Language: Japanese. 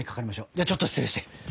ではちょっと失礼して。